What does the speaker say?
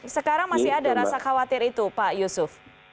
sekarang masih ada rasa khawatir itu pak yusuf